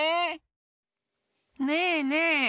ねえねえ！